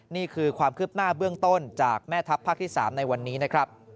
นี่คือความคืบหน้าเบื้องต้นจากแม่ทัพภาคที่๓ในวันนี้นะครับ